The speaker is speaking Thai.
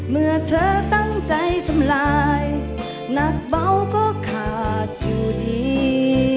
เมื่อเธอตั้งใจทำลายหนักเบาก็ขาดอยู่ดี